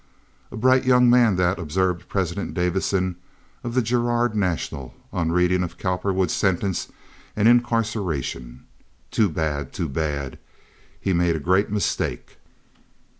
"A bright young man, that," observed President Davison of the Girard National, on reading of Cowperwood's sentence and incarceration. "Too bad! Too bad! He made a great mistake."